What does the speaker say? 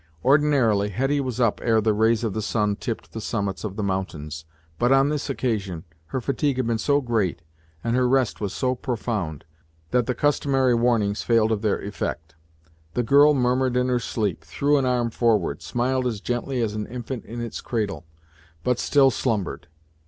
Ordinarily, Hetty was up ere the rays of the sun tipped the summits of the mountains, but on this occasion her fatigue had been so great, and her rest was so profound, that the customary warnings failed of their effect. The girl murmured in her sleep, threw an arm forward, smiled as gently as an infant in its cradle, but still slumbered.